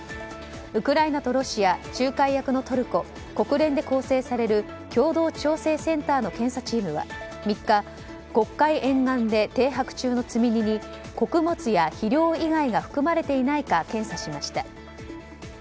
ウクライナとロシア仲介役のトルコ国連で構成される共同調整センターの検査チームは３日黒海沿岸で停泊中の積み荷に穀物や肥料以外が含まれていないか検査しました。